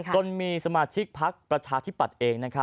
จนมีสมาชิกพักประชาธิปัตย์เอง